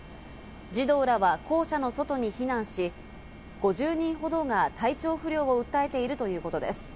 児童らは校舎の外に避難し、５０人ほどが体調不良を訴えているということです。